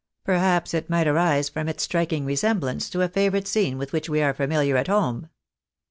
Perhaps it might arise from its striking resemblance to a favourite scene with which we are familiar at home."